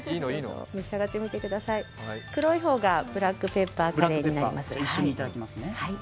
黒い方がブラックペッパーカレーになります。